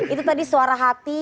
itu tadi suara hati